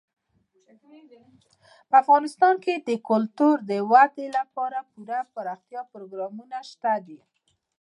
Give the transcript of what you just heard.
افغانستان کې د کلتور د ودې لپاره پوره دپرمختیا پروګرامونه شته دي.